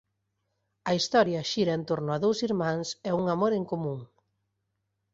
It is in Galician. A historia xira en torno de dous irmáns e un amor en común.